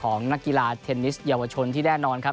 นักกีฬาเทนนิสเยาวชนที่แน่นอนครับ